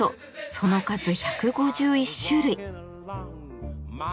その数１５１種類。